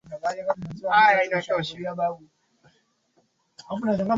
ambapo mtu aliyeshindwa kwenye uchaguzi